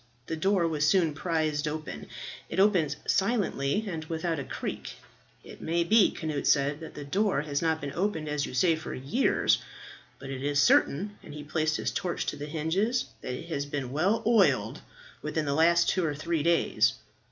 The door was soon prised open. It opened silently and without a creak. "It may be," Cnut said, "that the door has not been opened as you say for years, but it is certain," and he placed his torch to the hinges, "that it has been well oiled within the last two or three days.